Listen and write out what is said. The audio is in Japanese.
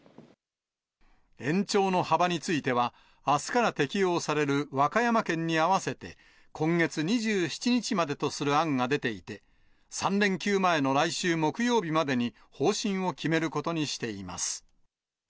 延長の幅については、あすから適用される和歌山県に合わせて、今月２７日までとする案が出ていて、３連休前の来週木曜日までに方針を決めることにしています。